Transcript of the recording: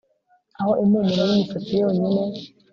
Aho impumuro yimisatsi yonyine